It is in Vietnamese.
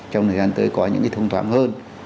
trong thời gian tới có những thông thoáng hơn